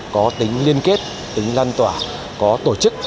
có tính liên kết tính lan tỏa có tổ chức